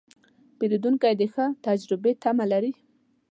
پیرودونکی د ښه تجربې تمه لري.